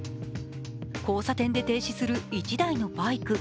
交差点で停止する１台のバイク。